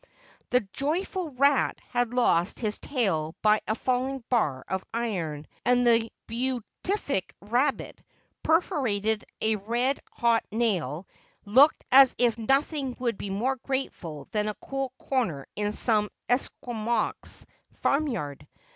The joyful rat had lost his tail by a falling bar of iron; and the beatific rabbit, perforated by a red hot nail, looked as if nothing would be more grateful than a cool corner in some Esquimaux farmyard.